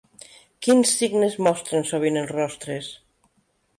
Quins signes mostren sovint els rostres?